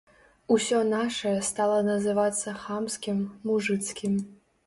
Усё нашае стала называцца хамскім, мужыцкім.